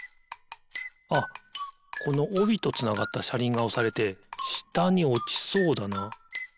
あっこのおびとつながったしゃりんがおされてしたにおちそうだな。